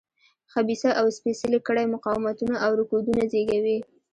خبیثه او سپېڅلې کړۍ مقاومتونه او رکودونه زېږوي.